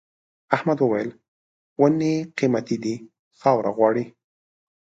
احمد وويل: ونې قيمتي دي خاوره غواړي.